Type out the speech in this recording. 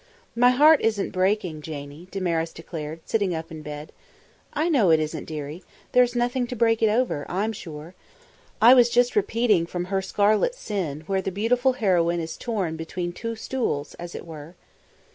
"My heart isn't breaking, Janie!" Damaris declared, sitting up in bed. "I know it isn't, dearie. There's nothing to break it over, I'm sure. I was just repeating from 'Her Scarlet Sin', where the beautiful heroine is torn between two stools as it were."